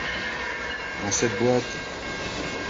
Dans cette boîte!